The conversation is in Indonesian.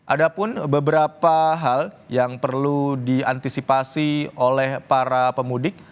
ada pun beberapa hal yang perlu diantisipasi oleh para pemudik